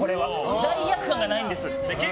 罪悪感がないんです。